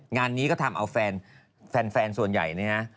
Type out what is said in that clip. งานนี้ก็ทำมาเอาแฟนแฟนส่วนใหญ่เนี่ย